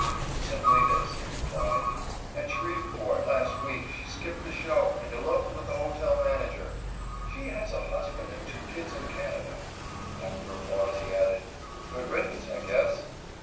"Simply this," he replied, "at Shreveport, last week, she skipped the show, and eloped with the hotel manager. She has a husband and two kids in Canada." After a pause he added: "Good riddance, I guess."